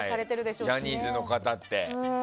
ジャニーズの方って。